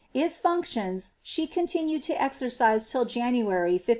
Its fonciione ehe continued to eicrciie till Jannary, IW.'